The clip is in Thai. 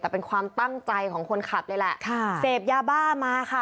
แต่เป็นความตั้งใจของคนขับเลยแหละค่ะเสพยาบ้ามาค่ะ